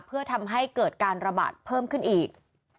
เพื่อทำให้เกิดการระบาดเพิ่มขึ้นอีก